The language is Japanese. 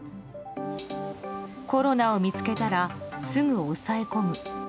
コロナを見つけたらすぐ抑え込む。